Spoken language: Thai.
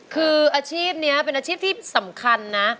คืออาชีพนี้เป็นอาชีพที่สำคัญนะ